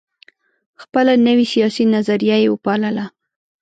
خپله نوي سیاسي نظریه یې وپالله.